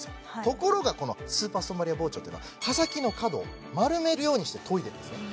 ところがこのスーパーストーンバリア包丁というのは刃先の角を丸めるようにしてといでるんですね